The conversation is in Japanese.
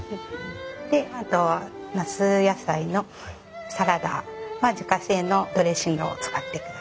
であとは那須野菜のサラダは自家製のドレッシングを使ってください。